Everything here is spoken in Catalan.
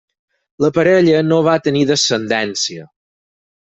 La parella no va tenir descendència.